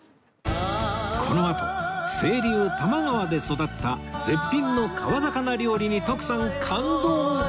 このあと清流多摩川で育った絶品の川魚料理に徳さん感動！